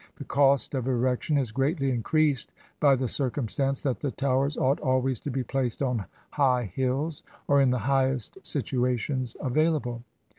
The cost of erec tion is greatly increased by the circumstance that the Towers ought always to be placed on high hills, or in the highest situations available.